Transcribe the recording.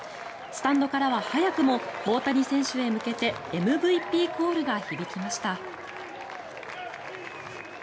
スタンドからは早くも大谷選手へ向けてＭＶＰコールが響きました。